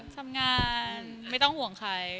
ทำงานไม่ต้องห่วงใคร